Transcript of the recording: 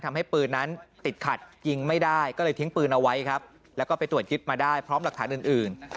ทำให้ปืนนั้นติดขัดยิงไม่ได้ก็เลยทิ้งปืนเอาไว้ครับแล้วก็ไปตรวจยึดมาได้พร้อมหลักฐานอื่นอื่น